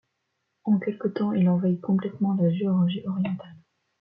En quelque temps, il envahit complètement la Géorgie orientale.